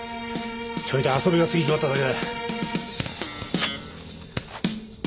ちょいと遊びが過ぎちまっただけだ・・・